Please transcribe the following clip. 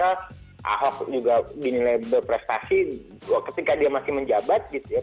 ahok juga dinilai berprestasi ketika dia masih menjabat gitu ya